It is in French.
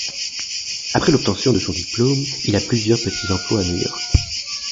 Après l'obtention de son diplôme, il a plusieurs petits emplois à New York.